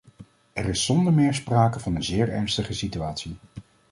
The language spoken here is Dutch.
Er is zonder meer sprake van een zeer ernstige situatie.